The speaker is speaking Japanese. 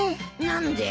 何で？